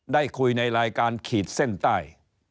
ได้คุยในรายการขีดเส้นใต้